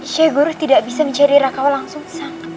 sheikh guru tidak bisa mencari rakawa langsung sang